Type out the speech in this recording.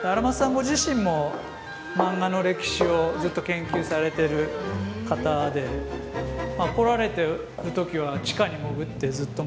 ご自身もマンガの歴史をずっと研究されてる方で来られてる時は地下に潜ってずっとマンガを。